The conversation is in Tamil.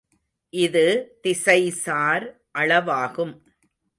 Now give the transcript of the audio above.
இது திசைசார் அளவாகும்.